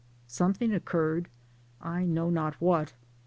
Something occurred I know not what.